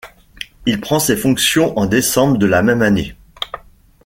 Il prend ses fonctions en décembre de la même année.